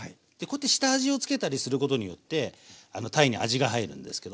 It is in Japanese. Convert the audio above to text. で下味を付けたりすることによって鯛に味が入るんですけど。